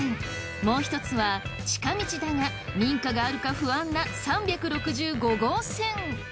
もうひとつは近道だが民家があるか不安な３６５号線。